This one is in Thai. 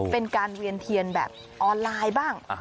เป็นการเวียนเทียนแบบออนไลน์บ้าง